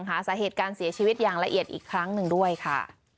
หาสาเหตุการเสียชีวิตอย่างละเอียดอีกครั้งหนึ่งด้วยค่ะ